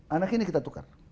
anak ini kita tukar